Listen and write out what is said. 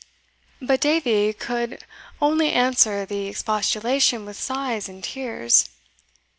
But Davie could oinly answer the expostulation with sighs and tears.